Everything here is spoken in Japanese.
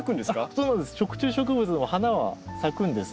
そうなんです。